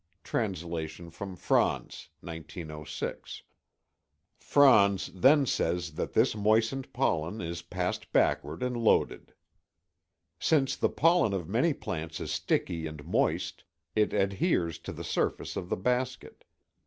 [Translation from Franz, 1906.] Franz then says that this moistened pollen is passed backward and loaded. Since the pollen of many plants is sticky and moist it adheres to the surface of the basket.